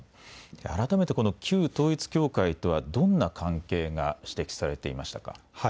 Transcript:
改めてこの旧統一教会とはどんな関係が指摘されていましたか。